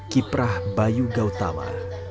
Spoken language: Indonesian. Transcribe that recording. kiprah bayu gautama